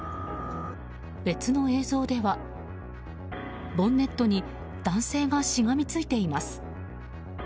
別の映像ではボンネットに男性がしがみついています。